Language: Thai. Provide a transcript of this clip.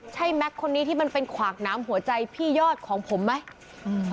ใช่แม็กซ์คนนี้ที่มันเป็นขวากน้ำหัวใจพี่ยอดของผมไหมอืม